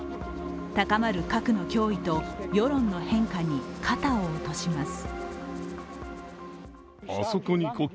高まる核の脅威と世論の変化に肩を落とします。